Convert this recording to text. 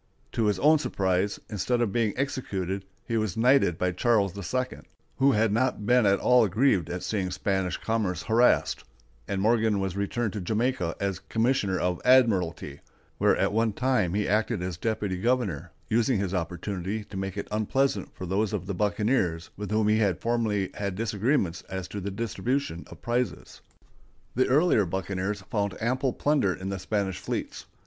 To his own surprise, instead of being executed, he was knighted by Charles II, who had not been at all grieved at seeing Spanish commerce harassed; and Morgan was returned to Jamaica as commissioner of admiralty, where at one time he acted as deputy governor, using his opportunity to make it unpleasant for those of the buccaneers with whom he had formerly had disagreements as to the distribution of prizes. The earlier buccaneers found ample plunder in the Spanish fleets.